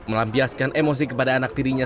melampiaskan emosi kepada anak tirinya